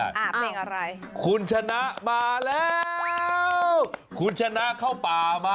ตกมาจากฟ้า